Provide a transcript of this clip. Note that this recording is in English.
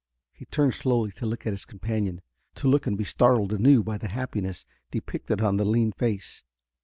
He turned slowly to look at his companion; to look and be startled anew by the happiness depicted on the lean face.